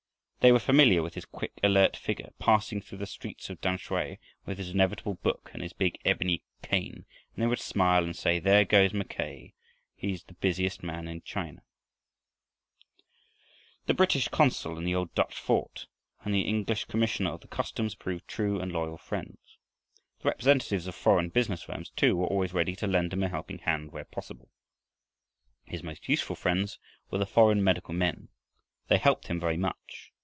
They were familiar with his quick, alert figure passing through the streets of Tamsui, with his inevitable book and his big ebony cane. And they would smile and say, "There goes Mackay; he's the busiest man in China." (*)* See CHAPTER XIII, Formosa becomes Japanese territory. The British consul in the old Dutch fort and the English commissioner of customs proved true and loyal friends. The representatives of foreign business firms, too, were always ready to lend him a helping hand where possible. His most useful friends were the foreign medical men. They helped him very much.